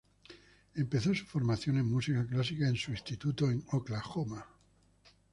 Empezó su formación en música clásica en su instituto, en Oklahoma.